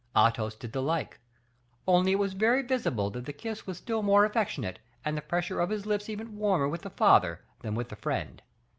Athos did the like; only it was very visible that the kiss was still more affectionate, and the pressure of his lips even warmer with the father than with the friend.